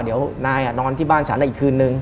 เดี๋ยวนายนอนที่บ้านฉันอีกคืนนึง